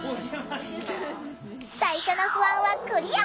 最初の不安はクリア！